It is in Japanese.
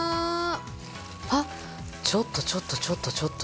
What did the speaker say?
あっちょっとちょっとちょっとちょっと。